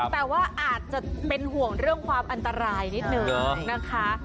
แต่ว่าอาจจะเป็นห่วงเรื่องความอันตรายนิดนึงนะคะ